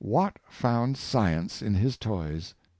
Watt found science in his toys.